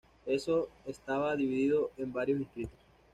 Ezo estaba dividido en varios distritos.